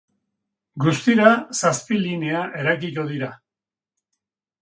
Guztira zazpi linea eraikiko dira.